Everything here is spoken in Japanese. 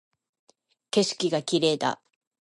景色が綺麗だ